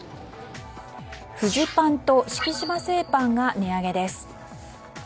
フジパンと敷島製パンが値上げです。